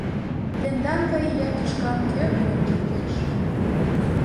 Тендан гай ия тӱшкам кӧ кырен кертеш...